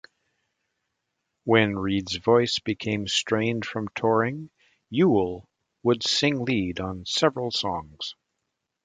When Reed's voice became strained from touring, Yule would sing lead on several songs.